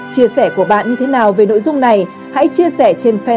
chia sẻ của bạn như thế nào về nội dung này hãy chia sẻ trên fensped truyền hình công an nhân dân